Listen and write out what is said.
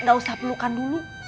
nggak usah pelukan dulu